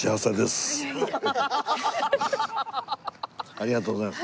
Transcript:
ありがとうございます。